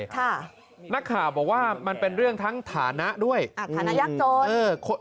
ค่ะนักข่าวบอกว่ามันเป็นเรื่องทั้งฐานะด้วยอ่าฐานะยากจนเออ